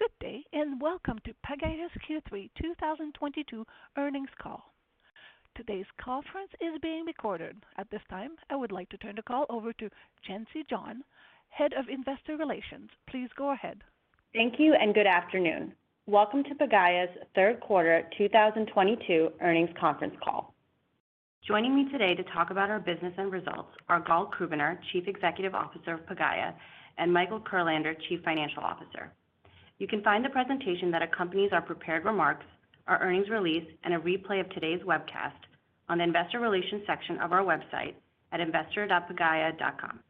Good day, and welcome to Pagaya's Q3 2022 earnings call. Today's conference is being recorded. At this time, I would like to turn the call over to Jency John, Head of Investor Relations. Please go ahead. Thank you and good afternoon. Welcome to Pagaya's third quarter 2022 earnings conference call. Joining me today to talk about our business and results are Gal Krubiner, Chief Executive Officer of Pagaya, and Michael Kurlander, Chief Financial Officer. You can find the presentation that accompanies our prepared remarks, our earnings release, and a replay of today's webcast on the Investor Relations section of our website at investor.pagaya.com.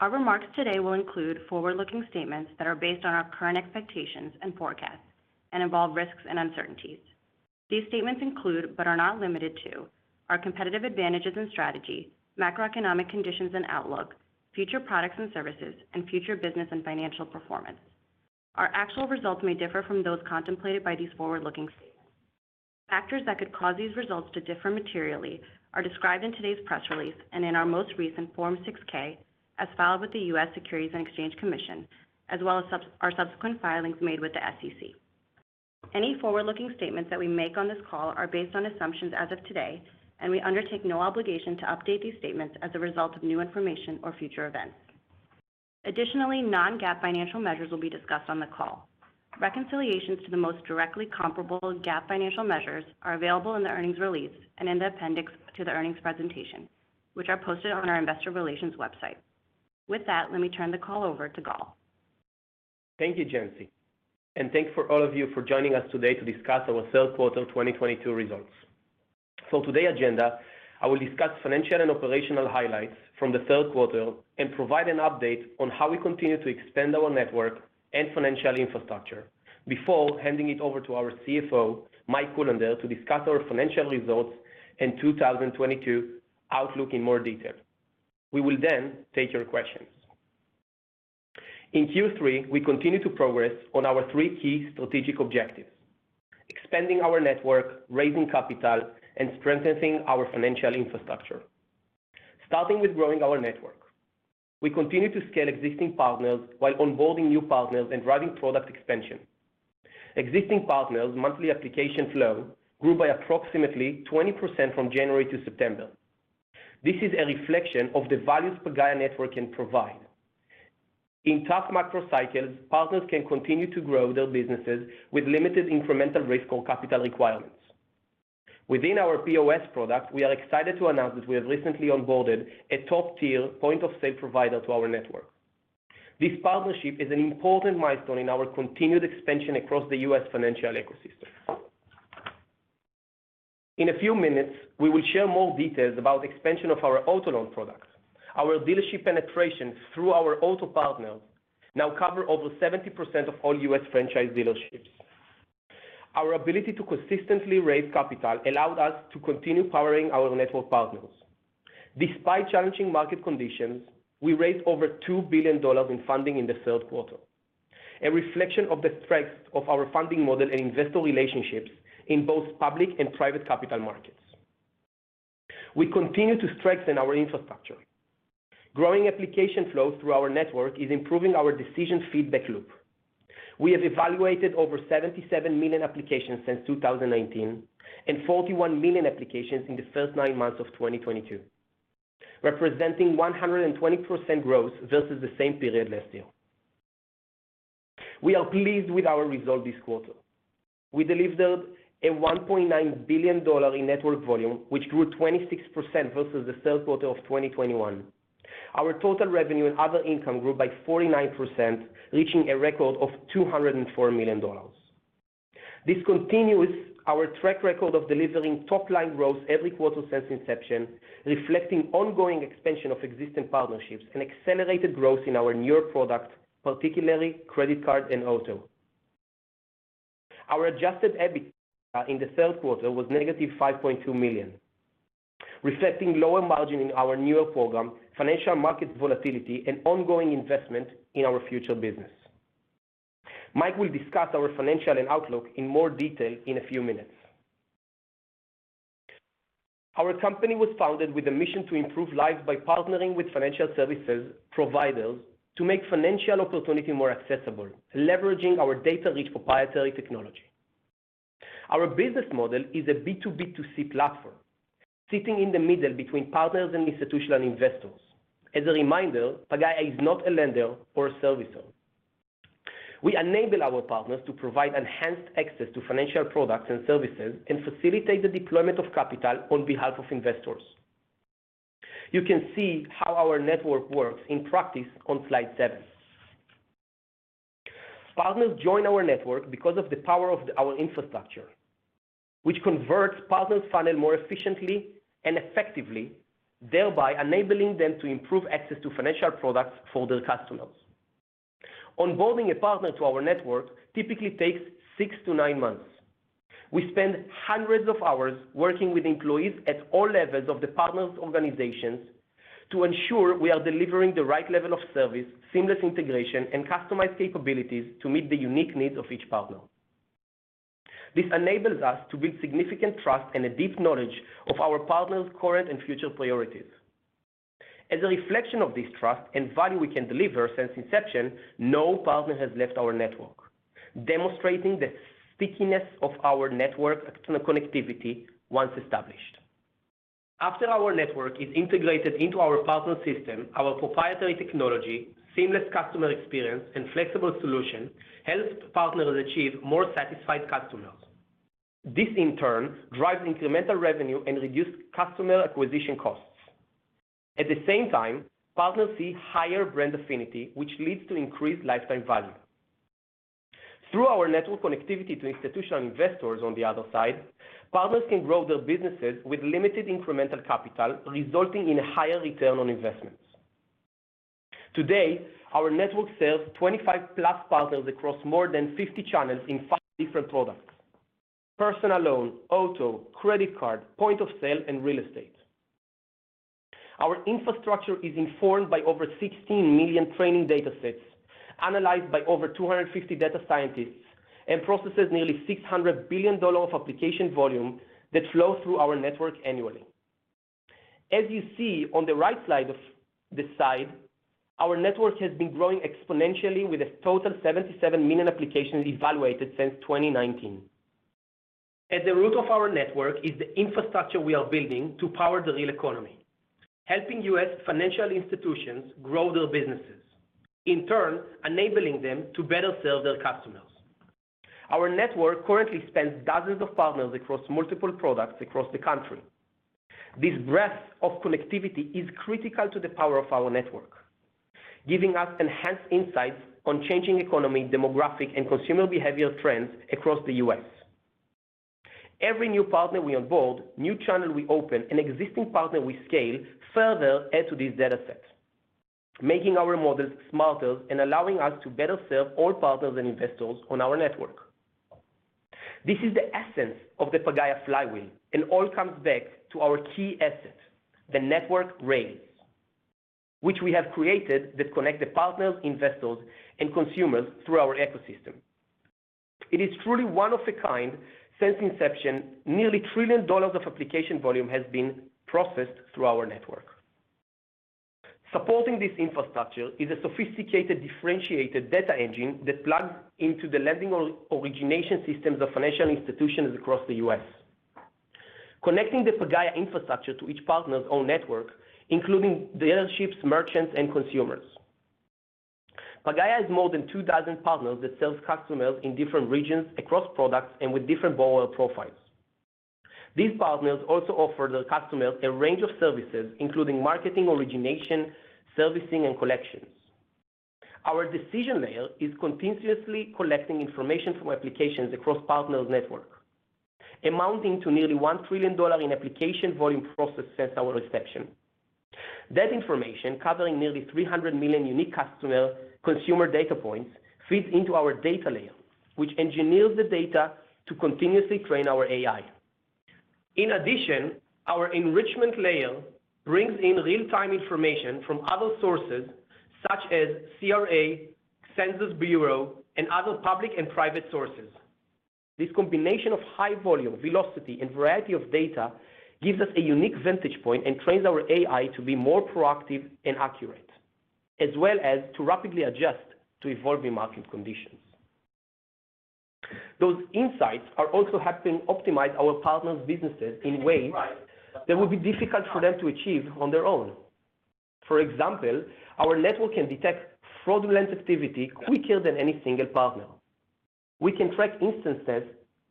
Our remarks today will include forward-looking statements that are based on our current expectations and forecasts and involve risks and uncertainties. These statements include, but are not limited to our competitive advantages and strategy, macroeconomic conditions and outlook, future products and services, and future business and financial performance. Our actual results may differ from those contemplated by these forward-looking statements. Factors that could cause these results to differ materially are described in today's press release and in our most recent Form 6-K as filed with the U.S. Securities and Exchange Commission, as well as our subsequent filings made with the SEC. Any forward-looking statements that we make on this call are based on assumptions as of today, and we undertake no obligation to update these statements as a result of new information or future events. Additionally, non-GAAP financial measures will be discussed on the call. Reconciliations to the most directly comparable GAAP financial measures are available in the earnings release and in the appendix to the earnings presentation, which are posted on our investor relations website. With that, let me turn the call over to Gal. Thank you, Jency, and thanks to all of you for joining us today to discuss our third quarter 2022 results. For today's agenda, I will discuss financial and operational highlights from the third quarter and provide an update on how we continue to expand our network and financial infrastructure before handing it over to our CFO, Mike Kurlander, to discuss our financial results and 2022 outlook in more detail. We will then take your questions. In Q3, we continue to progress on our three key strategic objectives: expanding our network, raising capital, and strengthening our financial infrastructure. Starting with growing our network. We continue to scale existing partners while onboarding new partners and driving product expansion. Existing partners' monthly application flow grew by approximately 20% from January to September. This is a reflection of the value the Pagaya network can provide. In tough macro cycles, partners can continue to grow their businesses with limited incremental risk or capital requirements. Within our POS product, we are excited to announce that we have recently onboarded a top-tier point-of-sale provider to our network. This partnership is an important milestone in our continued expansion across the U.S. financial ecosystem. In a few minutes, we will share more details about expansion of our auto loan products. Our dealership penetrations through our auto partners now cover over 70% of all U.S. franchise dealerships. Our ability to consistently raise capital allowed us to continue powering our network partners. Despite challenging market conditions, we raised over $2 billion in funding in the third quarter, a reflection of the strength of our funding model and investor relationships in both public and private capital markets. We continue to strengthen our infrastructure. Growing application flow through our network is improving our decision feedback loop. We have evaluated over 77 million applications since 2019, and 41 million applications in the first nine months of 2022, representing 120% growth versus the same period last year. We are pleased with our result this quarter. We delivered a $1.9 billion in network volume, which grew 26% versus the third quarter of 2021. Our total revenue and other income grew by 49%, reaching a record of $204 million. This continues our track record of delivering top-line growth every quarter since inception, reflecting ongoing expansion of existing partnerships and accelerated growth in our newer products, particularly credit card and auto. Our Adjusted EBITDA in the third quarter was $-5.2 million, reflecting lower margin in our newer program, financial markets volatility, and ongoing investment in our future business. Mike will discuss our financials and outlook in more detail in a few minutes. Our company was founded with a mission to improve lives by partnering with financial services providers to make financial opportunity more accessible, leveraging our data-rich proprietary technology. Our business model is a B2B2C platform, sitting in the middle between partners and institutional investors. As a reminder, Pagaya is not a lender or a servicer. We enable our partners to provide enhanced access to financial products and services and facilitate the deployment of capital on behalf of investors. You can see how our network works in practice on slide seven. Partners join our network because of the power of our infrastructure, which converts partners' funnel more efficiently and effectively, thereby enabling them to improve access to financial products for their customers. Onboarding a partner to our network typically takes six-nine months. We spend hundreds of hours working with employees at all levels of the partners' organizations to ensure we are delivering the right level of service, seamless integration, and customized capabilities to meet the unique needs of each partner. This enables us to build significant trust and a deep knowledge of our partners' current and future priorities. As a reflection of this trust and value we can deliver, since inception, no partner has left our network, demonstrating the stickiness of our network connectivity once established. After our network is integrated into our partner system, our proprietary technology, seamless customer experience, and flexible solution helps partners achieve more satisfied customers. This in turn drives incremental revenue and reduce customer acquisition costs. At the same time, partners see higher brand affinity, which leads to increased lifetime value. Through our network connectivity to institutional investors on the other side, partners can grow their businesses with limited incremental capital, resulting in a higher return on investment. Today, our network serves 25+ partners across more than 50 channels in five different products, personal loan, auto, credit card, point-of-sale, and real estate. Our infrastructure is informed by over 16 million training data sets, analyzed by over 250 data scientists, and processes nearly $600 billion of application volume that flow through our network annually. As you see on the right side, our network has been growing exponentially with a total 77 million applications evaluated since 2019. At the root of our network is the infrastructure we are building to power the real economy, helping U.S. financial institutions grow their businesses, in turn, enabling them to better serve their customers. Our network currently spans dozens of partners across multiple products across the country. This breadth of connectivity is critical to the power of our network, giving us enhanced insights on changing economic, demographic, and consumer behavior trends across the U.S. Every new partner we onboard, new channel we open, an existing partner we scale, further add to this data set, making our models smarter and allowing us to better serve all partners and investors on our network. This is the essence of the Pagaya flywheel, and all comes back to our key asset, the network rails, which we have created that connect the partners, investors, and consumers through our ecosystem. It is truly one of a kind. Since inception, nearly $1 trillion of application volume has been processed through our network. Supporting this infrastructure is a sophisticated, differentiated data engine that plugs into the lending origination systems of financial institutions across the U.S. Connecting the Pagaya infrastructure to each partner's own network, including dealerships, merchants, and consumers. Pagaya has more than 24 partners that sells customers in different regions across products and with different borrower profiles. These partners also offer their customers a range of services, including marketing, origination, servicing, and collections. Our decision layer is continuously collecting information from applications across partners' network, amounting to nearly $1 trillion in application volume processed since our inception. That information, covering nearly 300 million unique consumer data points, feeds into our data layer, which engineers the data to continuously train our AI. In addition, our enrichment layer brings in real-time information from other sources such as CRA, Census Bureau, and other public and private sources. This combination of high volume, velocity, and variety of data gives us a unique vantage point and trains our AI to be more proactive and accurate, as well as to rapidly adjust to evolving market conditions. Those insights are also helping optimize our partners' businesses in ways that will be difficult for them to achieve on their own. For example, our network can detect fraudulent activity quicker than any single partner. We can track instances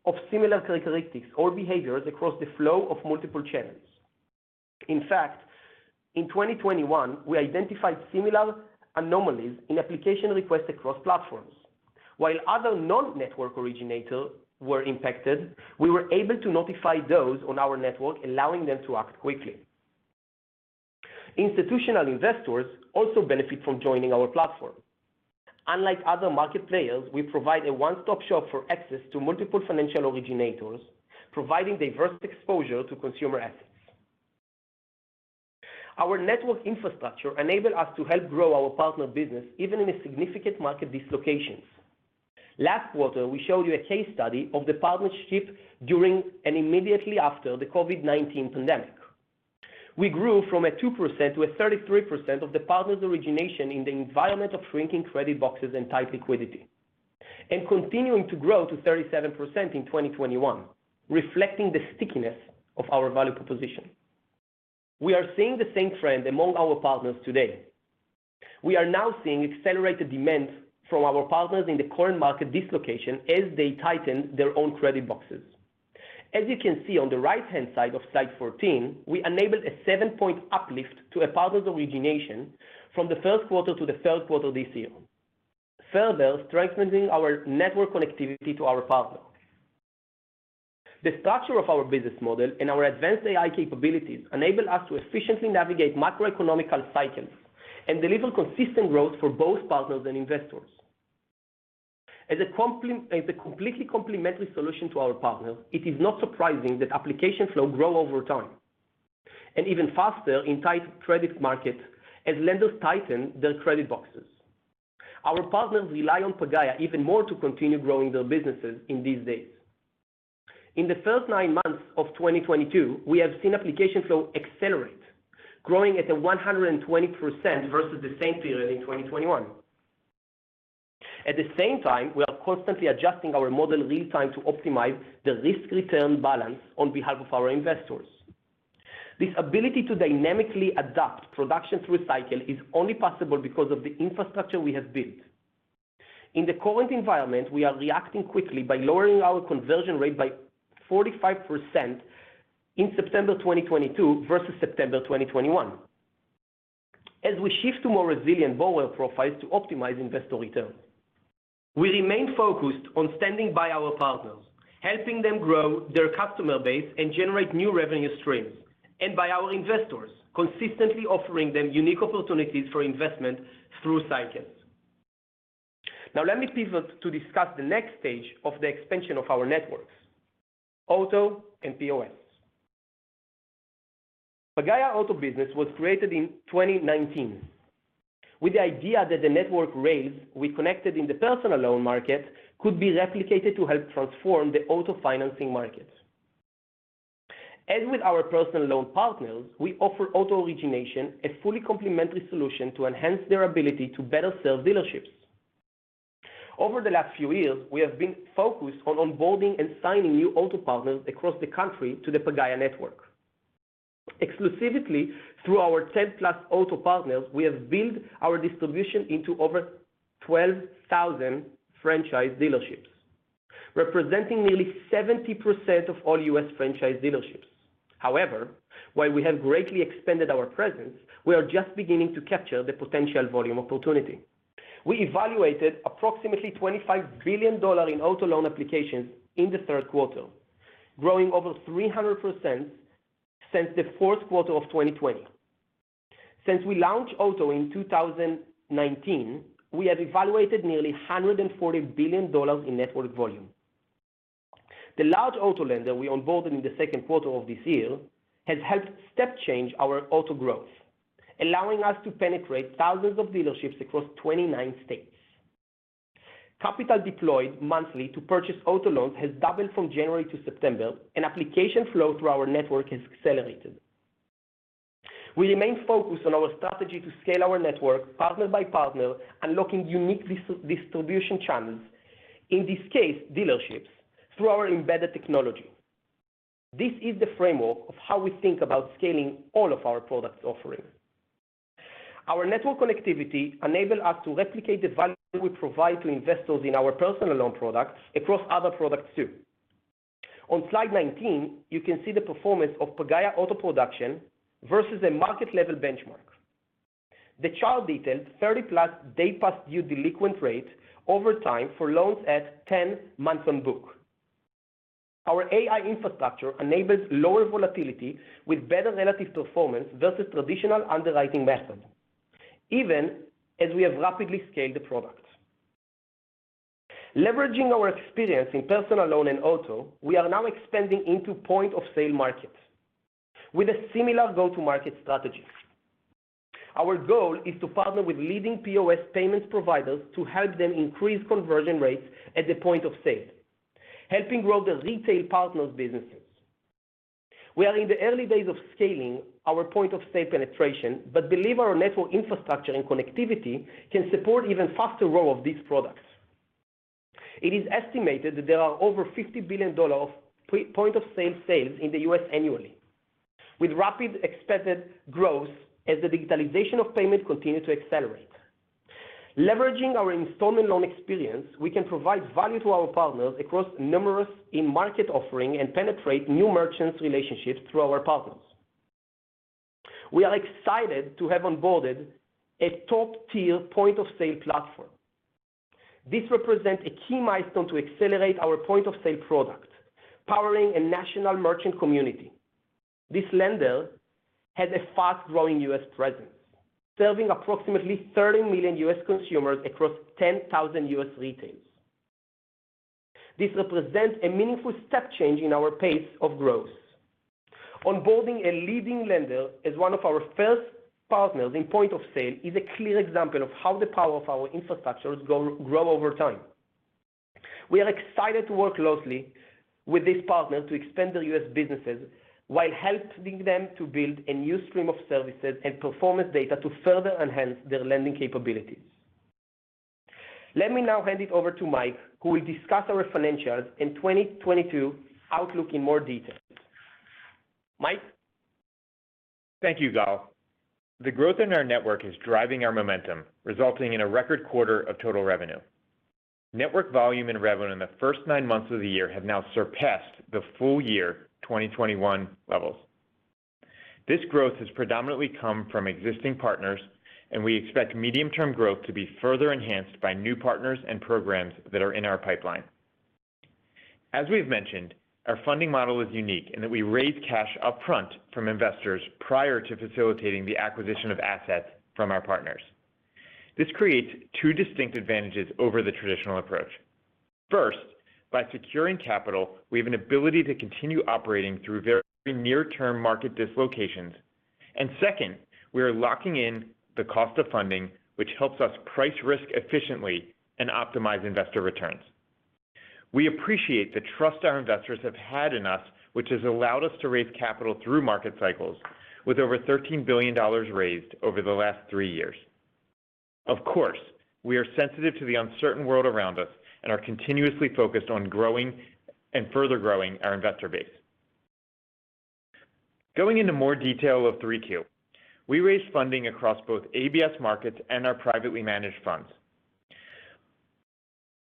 of similar characteristics or behaviors across the flow of multiple channels. In fact, in 2021, we identified similar anomalies in application requests across platforms. While other non-network originators were impacted, we were able to notify those on our network, allowing them to act quickly. Institutional investors also benefit from joining our platform. Unlike other market players, we provide a one-stop shop for access to multiple financial originators, providing diverse exposure to consumer assets. Our network infrastructure enable us to help grow our partner business even in a significant market dislocations. Last quarter, we showed you a case study of the partnership during and immediately after the COVID-19 pandemic. We grew from a 2% to a 33% of the partners origination in the environment of shrinking credit boxes and tight liquidity, and continuing to grow to 37% in 2021, reflecting the stickiness of our value proposition. We are seeing the same trend among our partners today. We are now seeing accelerated demand from our partners in the current market dislocation as they tighten their own credit boxes. As you can see on the right-hand side of slide 14, we enabled a 7-point uplift to a partner's origination from the first quarter to the third quarter this year. Further strengthening our network connectivity to our partner. The structure of our business model and our advanced AI capabilities enable us to efficiently navigate macroeconomic cycles and deliver consistent growth for both partners and investors. As a completely complementary solution to our partners, it is not surprising that application flow grows over time. Even faster in tight credit market as lenders tighten their credit boxes. Our partners rely on Pagaya even more to continue growing their businesses in these days. In the first nine months of 2022, we have seen application flow accelerate, growing at 120% versus the same period in 2021. At the same time, we are constantly adjusting our model real time to optimize the risk-return balance on behalf of our investors. This ability to dynamically adapt production through a cycle is only possible because of the infrastructure we have built. In the current environment, we are reacting quickly by lowering our conversion rate by 45% in September 2022 versus September 2021, as we shift to more resilient borrower profiles to optimize investor return. We remain focused on standing by our partners, helping them grow their customer base and generate new revenue streams, and by our investors, consistently offering them unique opportunities for investment through cycles. Now let me pivot to discuss the next stage of the expansion of our networks, Auto and POS. Pagaya Auto business was created in 2019 with the idea that the network rails we connected in the personal loan market could be replicated to help transform the auto financing market. As with our personal loan partners, we offer auto origination, a fully complementary solution to enhance their ability to better serve dealerships. Over the last few years, we have been focused on onboarding and signing new auto partners across the country to the Pagaya network. Exclusively through our 10+ auto partners, we have built our distribution into over 12,000 franchise dealerships, representing nearly 70% of all U.S. franchise dealerships. However, while we have greatly expanded our presence, we are just beginning to capture the potential volume opportunity. We evaluated approximately $25 billion in auto loan applications in the third quarter, growing over 300% since the fourth quarter of 2020. Since we launched Auto in 2019, we have evaluated nearly $140 billion in network volume. The large auto lender we onboarded in the second quarter of this year has helped step change our auto growth, allowing us to penetrate thousands of dealerships across 29 states. Capital deployed monthly to purchase auto loans has doubled from January to September, and application flow through our network has accelerated. We remain focused on our strategy to scale our network partner by partner, unlocking unique distribution channels, in this case, dealerships, through our embedded technology. This is the framework of how we think about scaling all of our products offerings. Our network connectivity enable us to replicate the value we provide to investors in our personal loan products across other products too. On slide 19, you can see the performance of Pagaya Auto production versus a market level benchmark. The chart details 30+ day past due delinquent rate over time for loans at 10 months on book. Our AI infrastructure enables lower volatility with better relative performance versus traditional underwriting methods, even as we have rapidly scaled the product. Leveraging our experience in personal loan and auto, we are now expanding into point-of-sale markets with a similar go-to market strategy. Our goal is to partner with leading POS payments providers to help them increase conversion rates at the point-of-sale, helping grow their retail partners' businesses. We are in the early days of scaling our point-of-sale penetration, but believe our network infrastructure and connectivity can support even faster growth of these products. It is estimated that there are over $50 billion of point-of-sale sales in the U.S. annually, with rapid expected growth as the digitalization of payment continue to accelerate. Leveraging our installment loan experience, we can provide value to our partners across numerous in-market offerings and penetrate new merchant relationships through our partners. We are excited to have onboarded a top-tier point-of-sale platform. This represents a key milestone to accelerate our point-of-sale product, powering a national merchant community. This lender has a fast-growing U.S. presence, serving approximately 30 million U.S. consumers across 10,000 U.S. retailers. This represents a meaningful step change in our pace of growth. Onboarding a leading lender as one of our first partners in point-of-sale is a clear example of how the power of our infrastructure is going to grow over time. We are excited to work closely with this partner to expand their U.S. businesses while helping them to build a new stream of services and performance data to further enhance their lending capabilities. Let me now hand it over to Mike, who will discuss our financials and 2022 outlook in more detail. Mike? Thank you, Gal. The growth in our network is driving our momentum, resulting in a record quarter of total revenue. Network volume and revenue in the first nine months of the year have now surpassed the full year 2021 levels. This growth has predominantly come from existing partners, and we expect medium-term growth to be further enhanced by new partners and programs that are in our pipeline. As we've mentioned, our funding model is unique in that we raise cash upfront from investors prior to facilitating the acquisition of assets from our partners. This creates two distinct advantages over the traditional approach. First, by securing capital, we have an ability to continue operating through very near-term market dislocations. Second, we are locking in the cost of funding, which helps us price risk efficiently and optimize investor returns. We appreciate the trust our investors have had in us, which has allowed us to raise capital through market cycles with over $13 billion raised over the last three years. Of course, we are sensitive to the uncertain world around us and are continuously focused on growing and further growing our investor base. Going into more detail of 3Q, we raised funding across both ABS markets and our privately managed funds.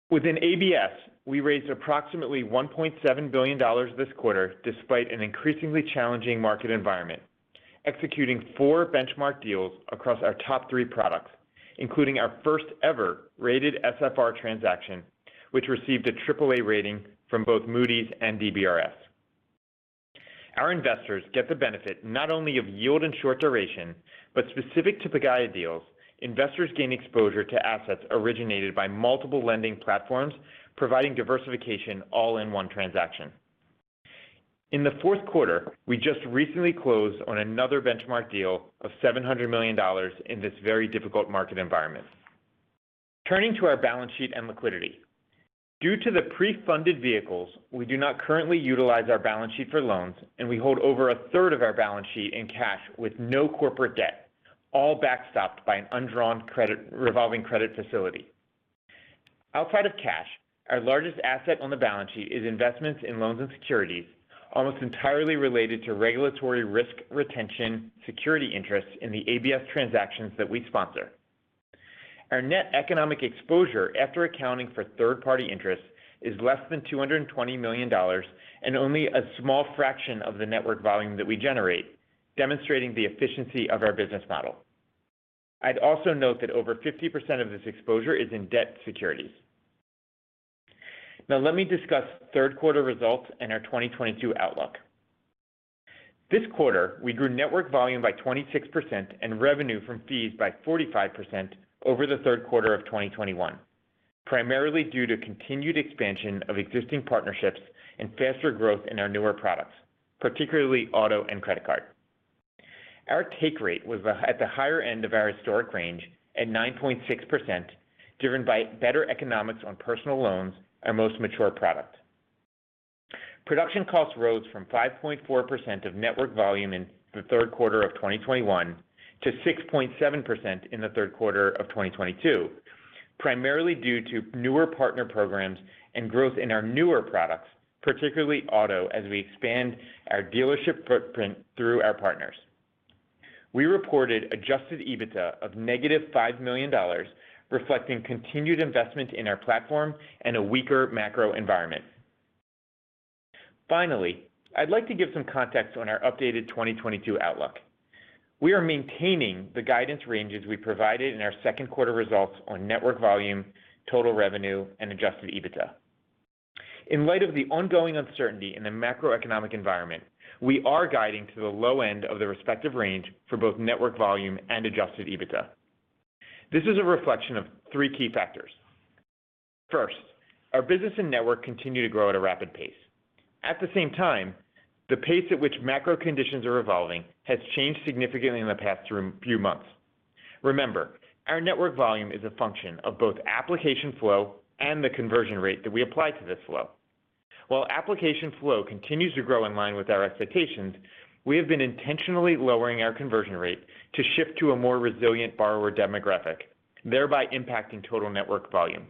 Within ABS, we raised approximately $1.7 billion this quarter despite an increasingly challenging market environment, executing four benchmark deals across our top three products, including our first-ever rated SFR transaction, which received a triple A rating from both Moody's and DBRS. Our investors get the benefit not only of yield and short duration, but specific to Pagaya deals, investors gain exposure to assets originated by multiple lending platforms, providing diversification all in one transaction. In the fourth quarter, we just recently closed on another benchmark deal of $700 million in this very difficult market environment. Turning to our balance sheet and liquidity. Due to the pre-funded vehicles, we do not currently utilize our balance sheet for loans, and we hold over a third of our balance sheet in cash with no corporate debt, all backstopped by an undrawn revolving credit facility. Outside of cash, our largest asset on the balance sheet is investments in loans and securities, almost entirely related to regulatory risk retention security interests in the ABS transactions that we sponsor. Our net economic exposure after accounting for third-party interest is less than $220 million and only a small fraction of the network volume that we generate, demonstrating the efficiency of our business model. I'd also note that over 50% of this exposure is in debt securities. Now let me discuss third quarter results and our 2022 outlook. This quarter, we grew network volume by 26% and revenue from fees by 45% over the third quarter of 2021, primarily due to continued expansion of existing partnerships and faster growth in our newer products, particularly auto and credit card. Our take rate was at the higher end of our historic range at 9.6%, driven by better economics on personal loans, our most mature product. Production costs rose from 5.4% of network volume in the third quarter of 2021 to 6.7% in the third quarter of 2022, primarily due to newer partner programs and growth in our newer products, particularly auto, as we expand our dealership footprint through our partners. We reported Adjusted EBITDA of $-5 million, reflecting continued investment in our platform and a weaker macro environment. Finally, I'd like to give some context on our updated 2022 outlook. We are maintaining the guidance ranges we provided in our second quarter results on network volume, total revenue, and Adjusted EBITDA. In light of the ongoing uncertainty in the macroeconomic environment, we are guiding to the low end of the respective range for both network volume and Adjusted EBITDA. This is a reflection of three key factors. First, our business and network continue to grow at a rapid pace. At the same time, the pace at which macro conditions are evolving has changed significantly in the past few months. Remember, our network volume is a function of both application flow and the conversion rate that we apply to this flow. While application flow continues to grow in line with our expectations, we have been intentionally lowering our conversion rate to shift to a more resilient borrower demographic, thereby impacting total network volume.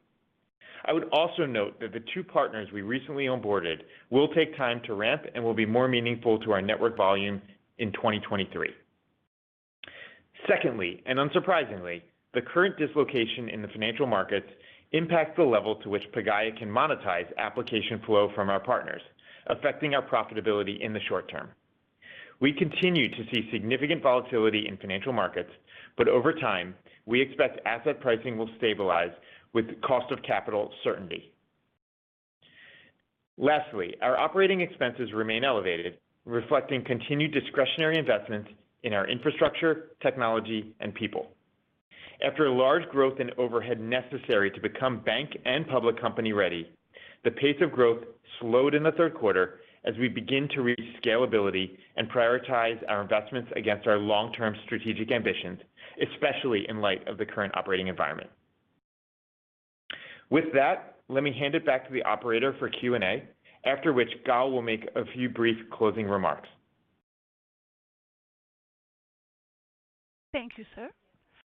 I would also note that the two partners we recently onboarded will take time to ramp and will be more meaningful to our network volume in 2023. Secondly, and unsurprisingly, the current dislocation in the financial markets impacts the level to which Pagaya can monetize application flow from our partners, affecting our profitability in the short term. We continue to see significant volatility in financial markets, but over time, we expect asset pricing will stabilize with cost of capital certainty. Lastly, our operating expenses remain elevated, reflecting continued discretionary investments in our infrastructure, technology, and people. After a large growth in overhead necessary to become bank and public company-ready, the pace of growth slowed in the third quarter as we begin to reach scalability and prioritize our investments against our long-term strategic ambitions, especially in light of the current operating environment. With that, let me hand it back to the operator for Q&A, after which Gal will make a few brief closing remarks. Thank you, sir.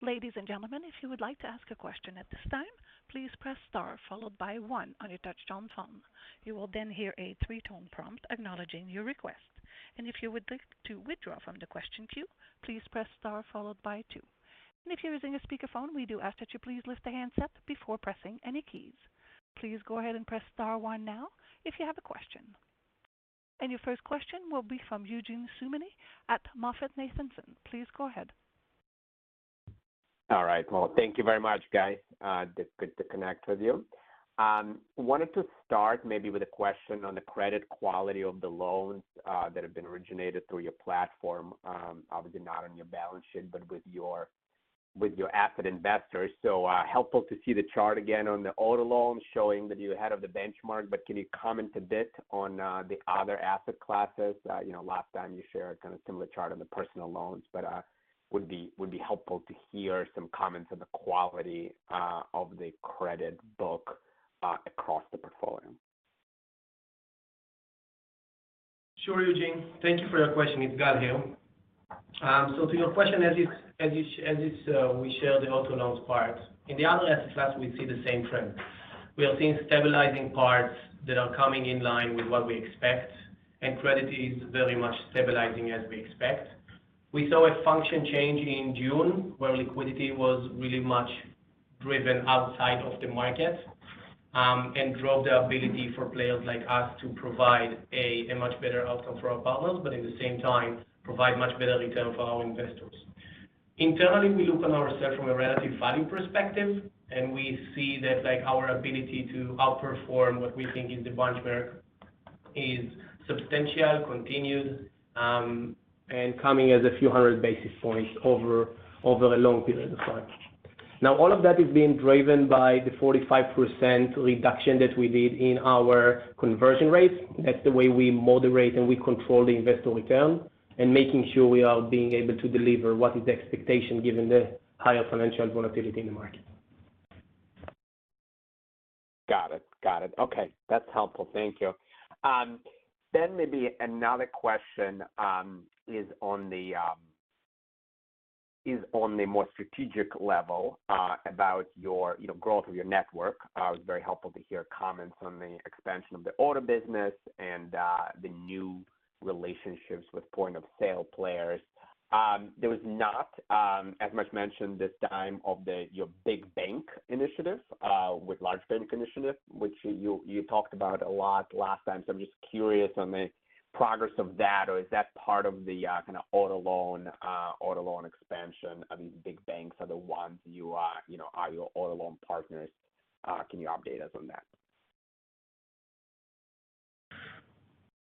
Ladies and gentlemen, if you would like to ask a question at this time, please press star followed by one on your touchtone phone. You will then hear a three-tone prompt acknowledging your request. If you would like to withdraw from the question queue, please press star followed by two. If you're using a speakerphone, we do ask that you please lift the handset before pressing any keys. Please go ahead and press star one now if you have a question. Your first question will be from Eugene Simuni at MoffettNathanson. Please go ahead. All right. Well, thank you very much, Gal, good to connect with you. Wanted to start maybe with a question on the credit quality of the loans that have been originated through your platform. Obviously not on your balance sheet, but with your asset investors. Helpful to see the chart again on the Auto Loans showing that you're ahead of the benchmark. Can you comment a bit on the other asset classes? You know, last time you shared kind of similar chart on the Personal Loans, but would be helpful to hear some comments on the quality of the credit book across the portfolio. Sure, Eugene. Thank you for your question. It's Gal here. To your question, as is, we share the auto loans part. In the other asset class, we see the same trend. We are seeing stabilizing parts that are coming in line with what we expect, and credit is very much stabilizing as we expect. We saw a function change in June, where liquidity was really much driven outside of the market, and drove the ability for players like us to provide a much better outcome for our partners, but at the same time, provide much better return for our investors. Internally, we look on ourselves from a relative value perspective, and we see that, like, our ability to outperform what we think is the benchmark is substantial, continued, and coming as a few hundred basis points over a long period of time. Now, all of that is being driven by the 45% reduction that we did in our conversion rates. That's the way we moderate and we control the investor return and making sure we are being able to deliver what is the expectation given the higher financial volatility in the market. Got it. Okay. That's helpful. Thank you. Maybe another question is on the more strategic level about your, you know, growth of your network. It was very helpful to hear comments on the expansion of the auto business and the new relationships with point-of-sale players. There was not as much mentioned this time your big bank initiative, which you talked about a lot last time. I'm just curious on the progress of that, or is that part of the kinda auto loan expansion? I mean, big banks are the ones, you know, are your auto loan partners. Can you update us on that?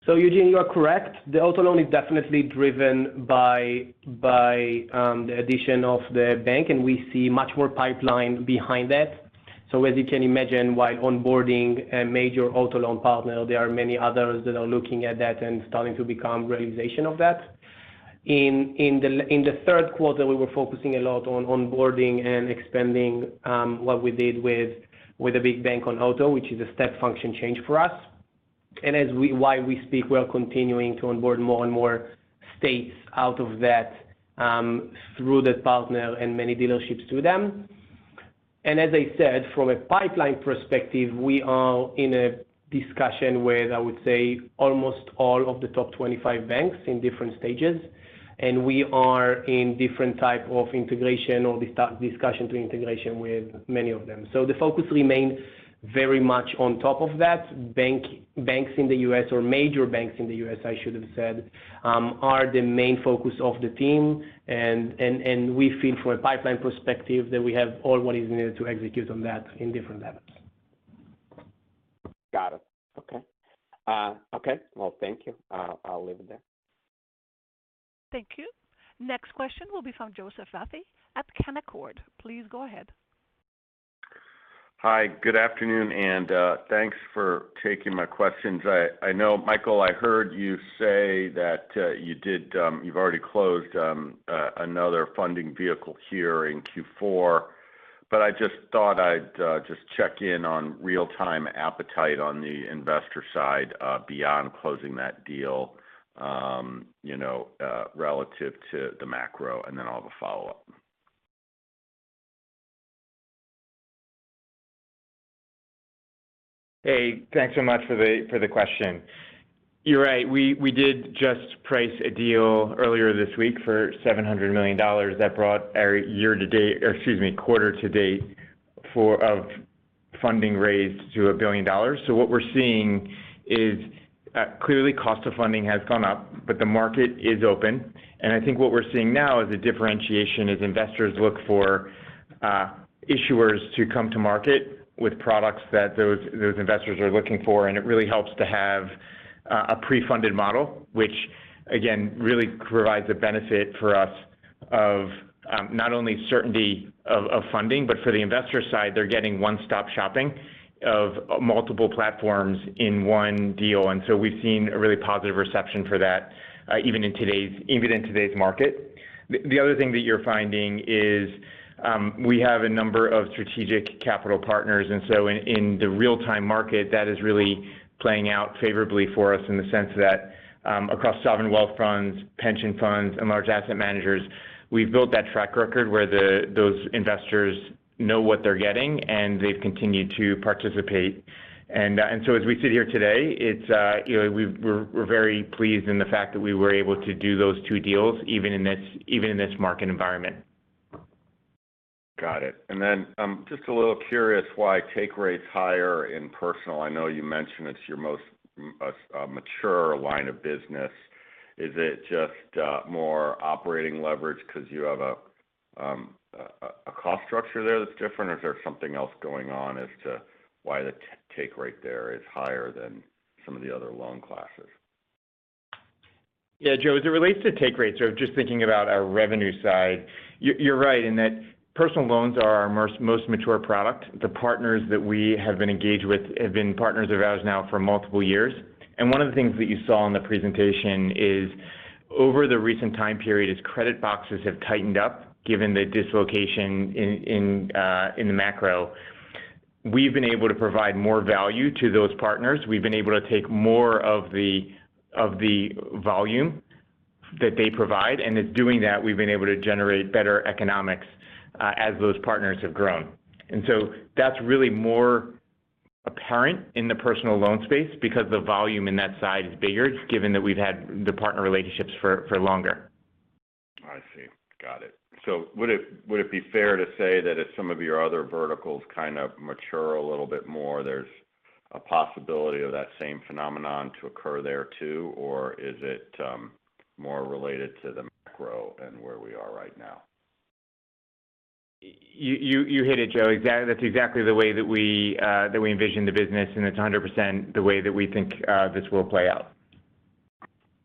Eugene, you are correct. The auto loan is definitely driven by the addition of the bank, and we see much more pipeline behind that. As you can imagine, while onboarding a major auto loan partner, there are many others that are looking at that and starting to become a reality of that. In the third quarter, we were focusing a lot on onboarding and expanding what we did with a big bank on auto, which is a step function change for us. While we speak, we are continuing to onboard more and more states out of that through that partner and many dealerships through them. As I said, from a pipeline perspective, we are in a discussion with, I would say, almost all of the top 25 banks in different stages, and we are in different type of integration or discussion to integration with many of them. The focus remains very much on top of that. Banks in the U.S. or major banks in the U.S., I should have said, are the main focus of the team. We feel from a pipeline perspective that we have all what is needed to execute on that in different levels. Got it. Okay. Okay. Well, thank you. I'll leave it there. Thank you. Next question will be from Joseph Vafi at Canaccord. Please go ahead. Hi, good afternoon, and thanks for taking my questions. I know, Michael, I heard you say that you've already closed another funding vehicle here in Q4. I just thought I'd just check in on real-time appetite on the investor side, beyond closing that deal, you know, relative to the macro, and then I'll have a follow-up. Hey, thanks so much for the question. You're right. We did just price a deal earlier this week for $700 million. That brought our quarter to date of funding raised to $1 billion. What we're seeing is clearly cost of funding has gone up, but the market is open. I think what we're seeing now is a differentiation as investors look for issuers to come to market with products that those investors are looking for. It really helps to have a pre-funded model, which again really provides a benefit for us of not only certainty of funding, but for the investor side, they're getting one-stop shopping of multiple platforms in one deal. We've seen a really positive reception for that, even in today's market. The other thing that you're finding is, we have a number of strategic capital partners. In the real-time market, that is really playing out favorably for us in the sense that, across sovereign wealth funds, pension funds, and large asset managers, we've built that track record where those investors know what they're getting, and they've continued to participate. As we sit here today, it's, you know, we're very pleased with the fact that we were able to do those two deals even in this market environment. Got it. Just a little curious why take rates higher in personal. I know you mentioned it's your most mature line of business. Is it just more operating leverage 'cause you have a cost structure there that's different, or is there something else going on as to why the take rate there is higher than some of the other loan classes? Yeah, Joe, as it relates to take rates or just thinking about our revenue side, you're right in that personal loans are our most mature product. The partners that we have been engaged with have been partners of ours now for multiple years. One of the things that you saw in the presentation is over the recent time period, as credit boxes have tightened up, given the dislocation in the macro, we've been able to provide more value to those partners. We've been able to take more of the volume that they provide, and in doing that, we've been able to generate better economics as those partners have grown. That's really more apparent in the personal loan space because the volume in that side is bigger, given that we've had the partner relationships for longer. I see. Got it. Would it be fair to say that if some of your other verticals kind of mature a little bit more, there's a possibility of that same phenomenon to occur there too? Is it more related to the macro and where we are right now? You hit it, Joe. That's exactly the way that we envision the business, and it's 100% the way that we think this will play out.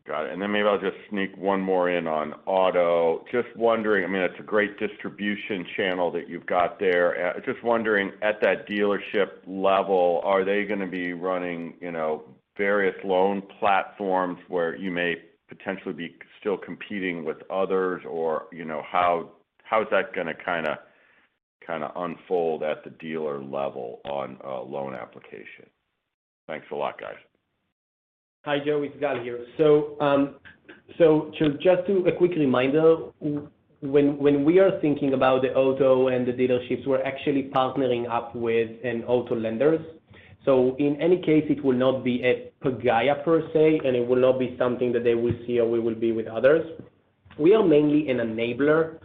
Got it. Maybe I'll just sneak one more in on auto. Just wondering, I mean, that's a great distribution channel that you've got there. Just wondering, at that dealership level, are they gonna be running, you know, various loan platforms where you may potentially be still competing with others, or, you know, how is that gonna kinda unfold at the dealer level on a loan application? Thanks a lot, guys. Hi, Joe. It's Gal here. To just do a quick reminder, when we are thinking about the auto and the dealerships, we're actually partnering up with an auto lenders. In any case, it will not be at Pagaya per se, and it will not be something that they will see or we will be with others. We are mainly an enabler.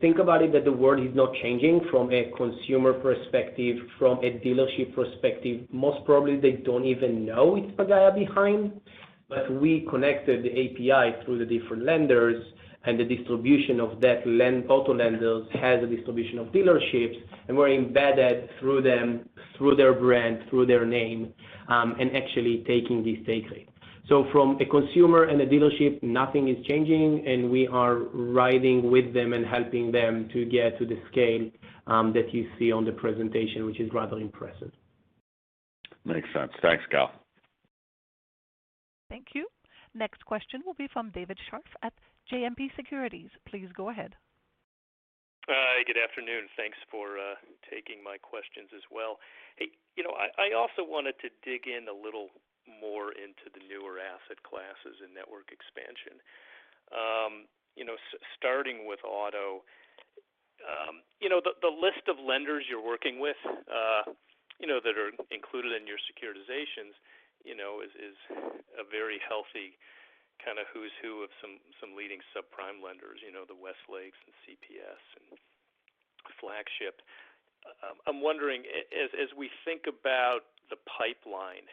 Think about it that the world is not changing from a consumer perspective, from a dealership perspective. Most probably they don't even know it's Pagaya behind. We connected the API through the different lenders and the distribution of that auto lenders has a distribution of dealerships, and we're embedded through them, through their brand, through their name, and actually taking these take rates. From a consumer and a dealership, nothing is changing, and we are riding with them and helping them to get to the scale, that you see on the presentation, which is rather impressive. Makes sense. Thanks, Gal. Thank you. Next question will be from David Scharf at JMP Securities. Please go ahead. Hi, good afternoon. Thanks for taking my questions as well. Hey, you know, I also wanted to dig in a little more into the newer asset classes and network expansion. You know, starting with auto, you know, the list of lenders you're working with, you know, that are included in your securitizations, you know, is a very healthy kinda who's who of some leading subprime lenders, you know, the Westlake and CPS and Flagship. I'm wondering, as we think about the pipeline,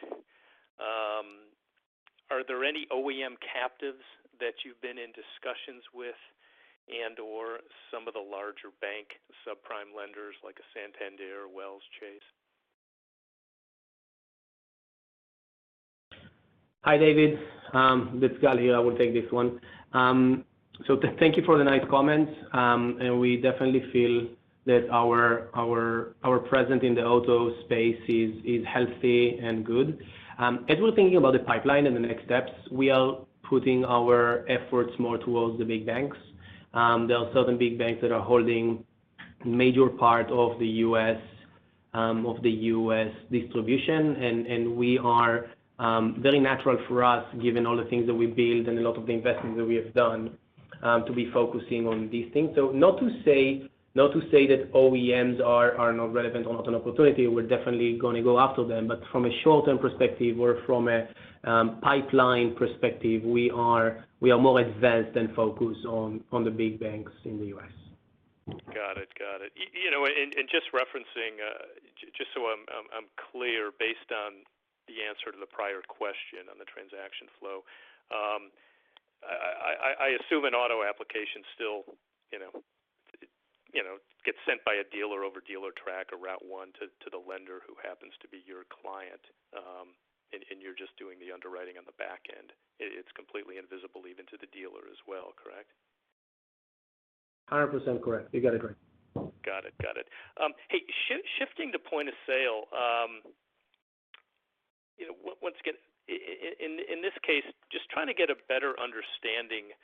are there any OEM captives that you've been in discussions with and/or some of the larger bank subprime lenders like Santander or Wells, Chase? Hi, David. It's Gal here. I will take this one. Thank you for the nice comments. We definitely feel that our presence in the auto space is healthy and good. As we're thinking about the pipeline and the next steps, we are putting our efforts more towards the big banks. There are certain big banks that are holding major part of the U.S. distribution. It is very natural for us, given all the things that we build and a lot of the investments that we have done, to be focusing on these things. Not to say that OEMs are not relevant or not an opportunity, we're definitely gonna go after them. From a short-term perspective or from a pipeline perspective, we are more advanced and focused on the big banks in the U.S.. Got it. You know, just referencing, just so I'm clear, based on the answer to the prior question on the transaction flow, I assume an auto application still, you know, gets sent by a dealer over Dealertrack or RouteOne to the lender who happens to be your client, and you're just doing the underwriting on the back end. It's completely invisible even to the dealer as well, correct? 100% correct. You got it right. Got it. Shifting to point-of-sale, you know, once again, in this case, just trying to get a better understanding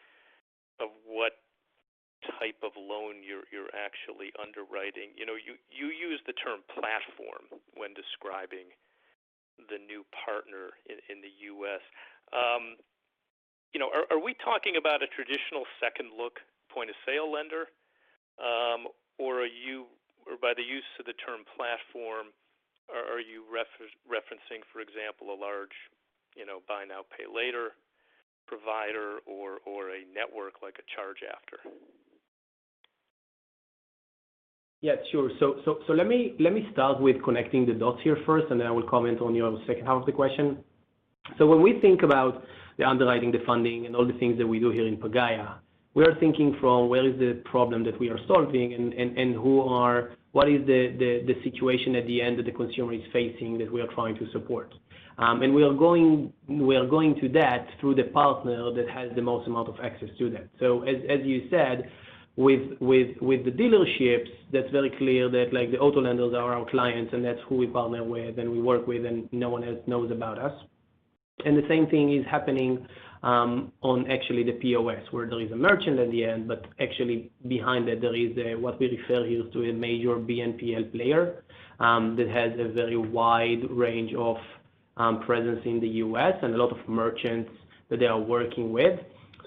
of what type of loan you're actually underwriting. You know, you use the term platform when describing the new partner in the U.S.. You know, are we talking about a traditional second look point-of-sale lender? Or by the use of the term platform, are you referencing, for example, a large, you know, buy now, pay later provider or a network like a ChargeAfter? Yeah, sure. Let me start with connecting the dots here first, and then I will comment on your second half of the question. When we think about the underwriting, the funding, and all the things that we do here in Pagaya, we are thinking from where is the problem that we are solving and what is the situation at the end that the consumer is facing that we are trying to support? We are going to that through the partner that has the most amount of access to that. As you said, with the dealerships, that's very clear that like the auto lenders are our clients and that's who we partner with and we work with, and no one else knows about us. The same thing is happening, actually, on the POS where there is a merchant at the end, but actually behind that there is a, what we refer to as a major BNPL player, that has a very wide range of presence in the U.S. and a lot of merchants that they are working with.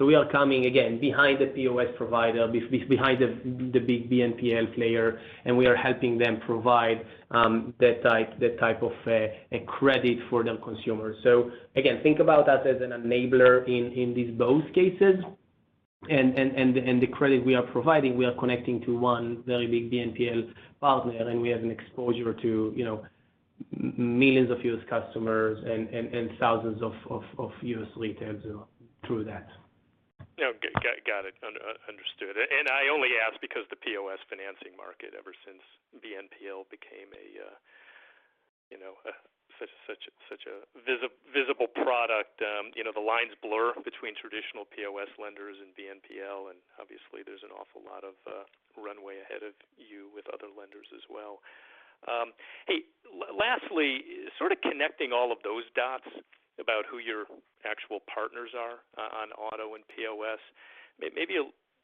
We are coming again behind the POS provider, behind the big BNPL player, and we are helping them provide that type of a credit for their consumers. Again, think about us as an enabler in these both cases. The credit we are providing, we are connecting to one very big BNPL partner, and we have an exposure to, you know, millions of U.S. customers and thousands of U.S. retailers through that. Yeah. Got it. Understood. I only ask because the POS financing market, ever since BNPL became a, you know, a such a visible product, you know, the lines blur between traditional POS lenders and BNPL, and obviously there's an awful lot of runway ahead of you with other lenders as well. Hey, lastly, sort of connecting all of those dots about who your actual partners are on auto and POS, maybe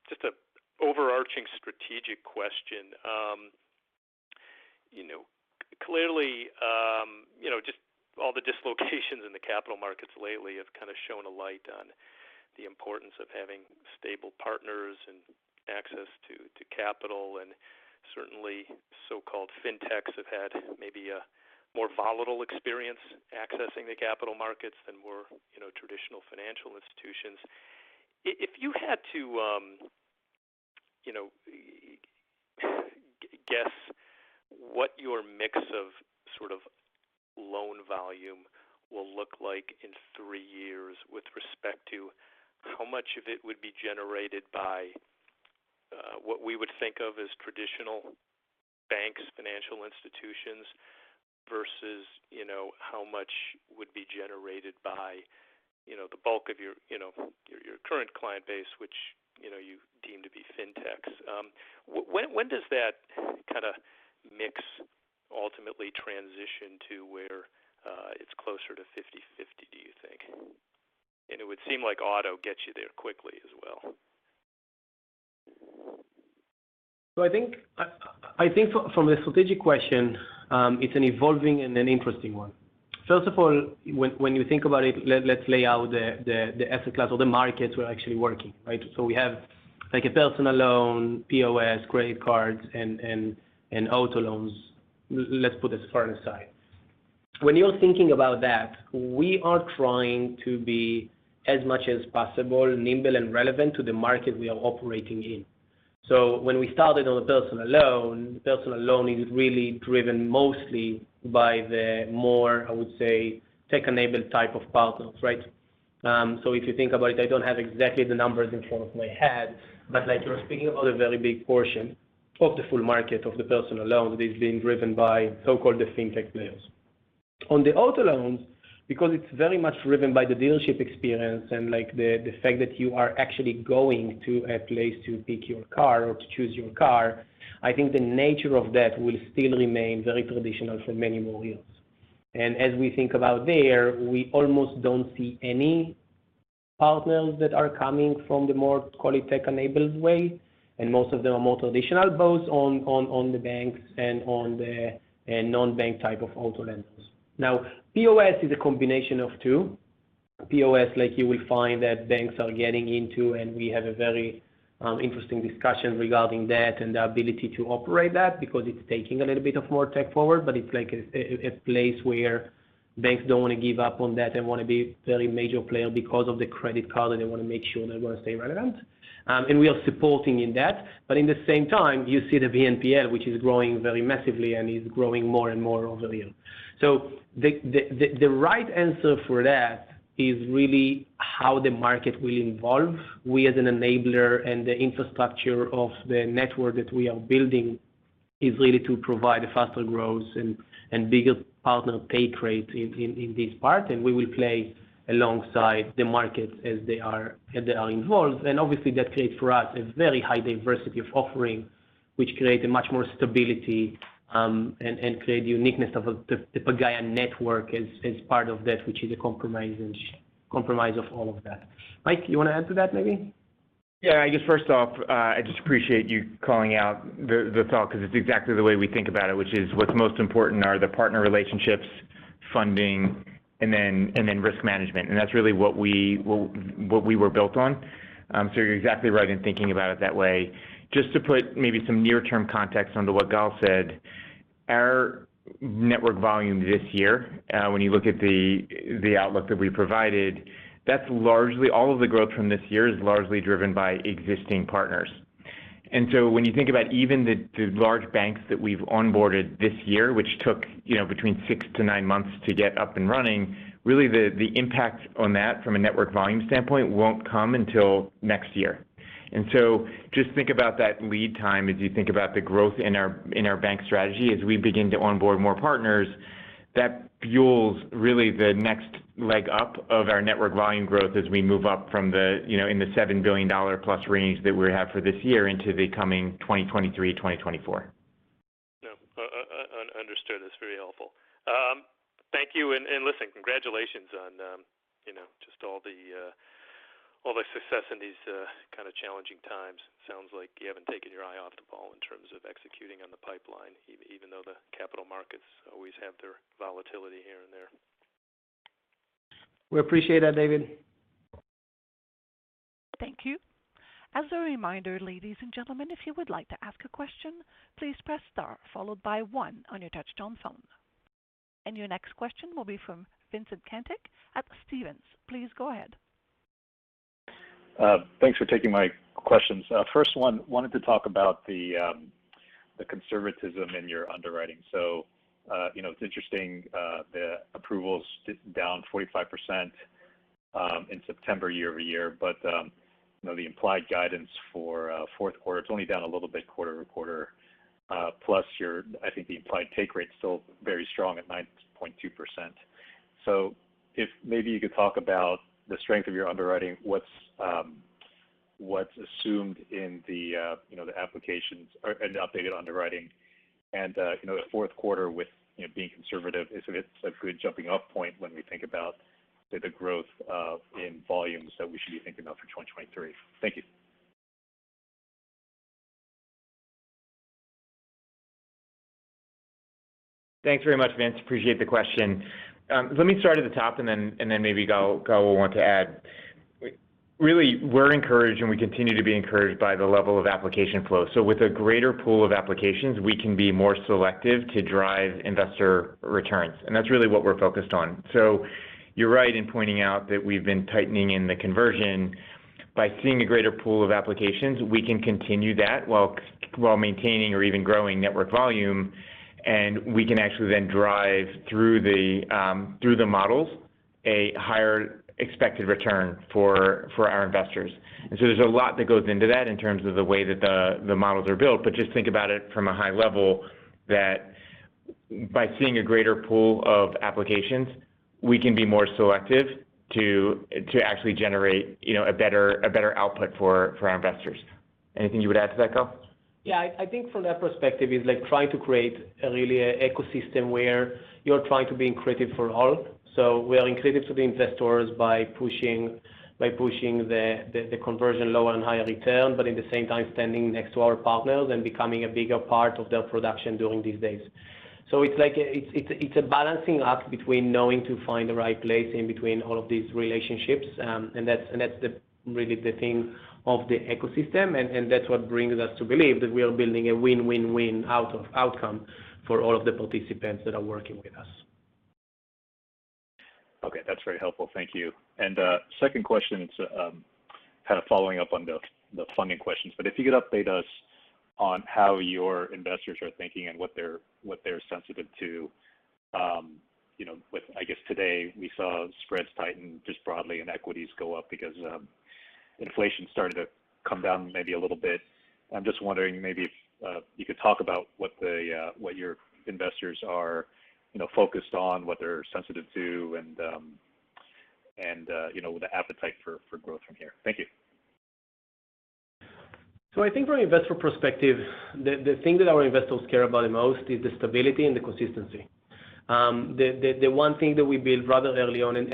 just a overarching strategic question. You know, clearly, you know, just all the dislocations in the capital markets lately have kind of shown a light on the importance of having stable partners and access to capital, and certainly so-called fintechs have had maybe a more volatile experience accessing the capital markets than more, you know, traditional financial institutions. If you had to, you know, guess what your mix of sort of loan volume will look like in three years with respect to how much of it would be generated by what we would think of as traditional banks, financial institutions, versus, you know, how much would be generated by, you know, the bulk of your current client base, which, you know, you deem to be fintechs. When does that kinda mix ultimately transition to where it's closer to 50/50, do you think? It would seem like auto gets you there quickly as well. I think from the strategic question, it's an evolving and an interesting one. First of all, when you think about it, let's lay out the asset class or the markets we're actually working, right? We have like a personal loan, POS, credit cards, and auto loans. Let's put real estate aside. When you're thinking about that, we are trying to be as much as possible nimble and relevant to the market we are operating in. When we started on a personal loan, personal loan is really driven mostly by the more, I would say, tech-enabled type of partners, right? If you think about it, I don't have exactly the numbers in front of my head, but like you're speaking about a very big portion of the full market of the personal loans that is being driven by so-called the fintech players. On the auto loans, because it's very much driven by the dealership experience and like the fact that you are actually going to a place to pick your car or to choose your car, I think the nature of that will still remain very traditional for many more years. As we think about there, we almost don't see any partners that are coming from the more call it tech-enabled way, and most of them are more traditional, both on the banks and on the non-bank type of auto lenders. Now, POS is a combination of two. POS, like you will find that banks are getting into, and we have a very interesting discussion regarding that and the ability to operate that because it's taking a little bit of more tech forward, but it's like a place where banks don't want to give up on that. They want to be very major player because of the credit card, and they want to make sure they're going to stay relevant. We are supporting in that. But in the same time, you see the BNPL, which is growing very massively and is growing more and more over the year. The right answer for that is really how the market will evolve. We as an enabler and the infrastructure of the network that we are building is really to provide a faster growth and bigger partner pay rates in this part. We will play alongside the markets as they are involved. Obviously, that creates for us a very high diversity of offering, which create a much more stability, and create uniqueness of the Pagaya network as part of that, which is a composition of all of that. Mike, you wanna add to that, maybe? Yeah. I guess first off, I just appreciate you calling out the thought 'cause it's exactly the way we think about it, which is what's most important are the partner relationships, funding, and then risk management. That's really what we were built on. So you're exactly right in thinking about it that way. Just to put maybe some near term context onto what Gal said. Our Network Volume this year, when you look at the outlook that we provided, that's largely all of the growth from this year is largely driven by existing partners. So when you think about even the large banks that we've onboarded this year, which took, you know, between six to nine months to get up and running, really, the impact on that from a Network Volume standpoint won't come until next year. Just think about that lead time as you think about the growth in our bank strategy as we begin to onboard more partners. That fuels really the next leg up of our network volume growth as we move up from the, you know, in the $7 billion+ range that we have for this year into the coming 2023, 2024. Yeah. Understood. That's very helpful. Thank you. Listen, congratulations on, you know, just all the success in these kind of challenging times. Sounds like you haven't taken your eye off the ball in terms of executing on the pipeline, even though the capital markets always have their volatility here and there. We appreciate that, David. Thank you. As a reminder, ladies and gentlemen, if you would like to ask a question, please press star followed by one on your touchtone phone. Your next question will be from Vincent Caintic at Stephens. Please go ahead. Thanks for taking my questions. First one, wanted to talk about the conservatism in your underwriting. You know, it's interesting, the approvals down 45% in September year-over-year, but you know, the implied guidance for fourth quarter, it's only down a little bit quarter-over-quarter. Plus, I think the implied take rate is still very strong at 9.2%. If maybe you could talk about the strength of your underwriting, what's assumed in the, you know, the applications or in the updated underwriting. You know, the fourth quarter with you know being conservative, is it a good jumping off point when we think about the growth in volumes that we should be thinking about for 2023? Thank you. Thanks very much, Vince. Appreciate the question. Let me start at the top and then maybe Gal will want to add. Really, we're encouraged and we continue to be encouraged by the level of application flow. With a greater pool of applications, we can be more selective to drive investor returns, and that's really what we're focused on. You're right in pointing out that we've been tightening in the conversion. By seeing a greater pool of applications, we can continue that while maintaining or even growing network volume, and we can actually then drive through the models a higher expected return for our investors. There's a lot that goes into that in terms of the way that the models are built. Just think about it from a high level, that by seeing a greater pool of applications, we can be more selective to actually generate, you know, a better output for our investors. Anything you would add to that, Gal? Yeah. I think from that perspective, it's like trying to create really a ecosystem where you're trying to be inclusive for all. We are inclusive to the investors by pushing the conversion lower and higher return, but at the same time, standing next to our partners and becoming a bigger part of their production during these days. It's like a balancing act between knowing to find the right place in between all of these relationships. That's really the thing of the ecosystem, and that's what brings us to believe that we are building a win-win-win outcome for all of the participants that are working with us. Okay. That's very helpful. Thank you. Second question is kind of following up on the funding questions. But if you could update us on how your investors are thinking and what they're sensitive to, you know, with, I guess today we saw spreads tighten just broadly and equities go up because inflation started to come down maybe a little bit. I'm just wondering maybe if you could talk about what your investors are, you know, focused on, what they're sensitive to, and you know, the appetite for growth from here. Thank you. I think from investor perspective, the thing that our investors care about the most is the stability and the consistency. The one thing that we build rather early on, and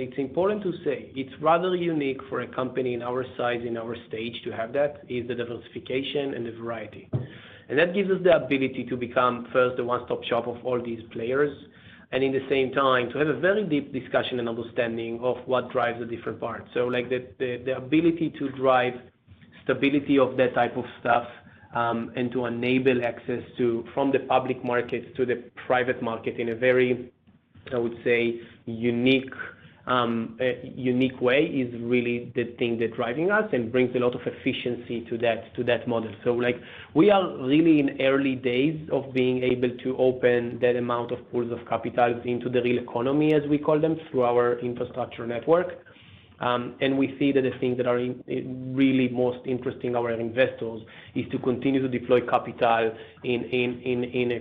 it's important to say, it's rather unique for a company in our size, in our stage to have that, is the diversification and the variety. That gives us the ability to become first a one-stop shop of all these players, and at the same time to have a very deep discussion and understanding of what drives the different parts. Like, the ability to drive stability of that type of stuff, and to enable access from the public market to the private market in a very, I would say, unique way, is really the thing that's driving us and brings a lot of efficiency to that model. Like, we are really in early days of being able to open that amount of pools of capital into the real economy, as we call them, through our infrastructure network. And we see that the things that are really most interesting to our investors is to continue to deploy capital in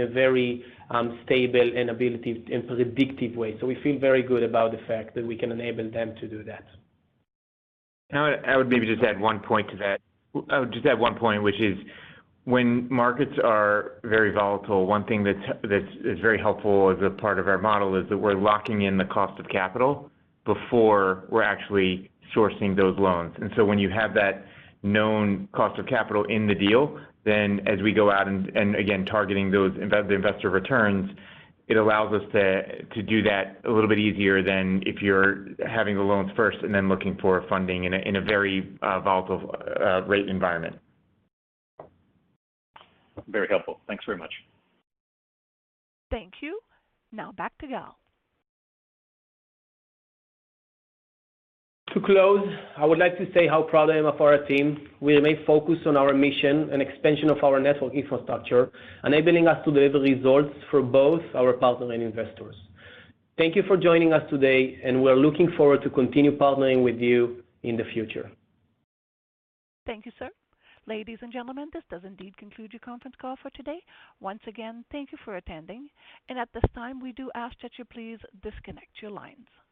a very stable, reliable, and predictive way. We feel very good about the fact that we can enable them to do that. I would maybe just add one point to that, which is when markets are very volatile, one thing that's very helpful as a part of our model is that we're locking in the cost of capital before we're actually sourcing those loans. When you have that known cost of capital in the deal, then as we go out and again targeting those investor returns, it allows us to do that a little bit easier than if you're having the loans first and then looking for funding in a very volatile rate environment. Very helpful. Thanks very much. Thank you. Now back to Gal. To close, I would like to say how proud I am of our team. We remain focused on our mission and expansion of our network infrastructure, enabling us to deliver results for both our partners and investors. Thank you for joining us today, and we're looking forward to continue partnering with you in the future. Thank you, sir. Ladies and gentlemen, this does indeed conclude your conference call for today. Once again, thank you for attending. At this time, we do ask that you please disconnect your lines.